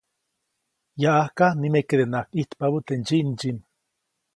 Yaʼajk nimekedenaʼajk ʼijtpabä teʼ ndsyiʼmdsyiʼm.